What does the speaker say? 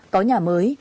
có nhà mới